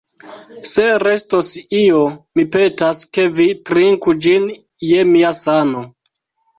Se restos io, mi petas, ke vi trinku ĝin je mia sano.